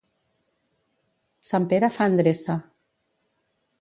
Sant Pere fa endreça.